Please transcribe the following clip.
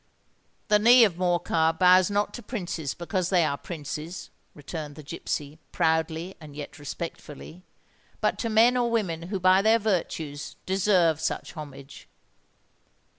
"The knee of Morcar bows not to princes because they are princes," returned the gipsy, proudly and yet respectfully; "but to men or women who by their virtues deserve such homage."